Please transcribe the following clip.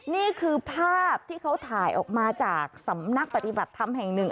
นี่คือภาพที่เขาถ่ายออกมาจากสำนักปฏิบัติธรรมแห่งหนึ่ง